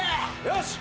よし！